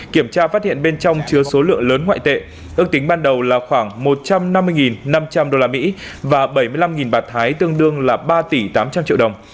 kiểm tra phát hiện bên trong chứa số lượng lớn ngoại tệ ước tính ban đầu là khoảng một trăm năm mươi năm trăm linh usd và bảy mươi năm bạt thái tương đương là ba tỷ tám trăm linh triệu đồng